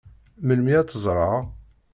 Melmi ad tt-ẓṛeɣ?